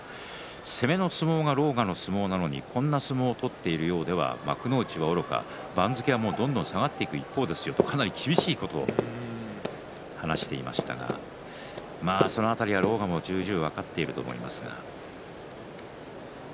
攻めの相撲が狼雅の相撲なのにこんな相撲を取っているようでは幕内はおろか番付はどんどん下がっていく一方ですよとかなり厳しいことを話していましたがその辺りは狼雅も重々分かっていると思いますが。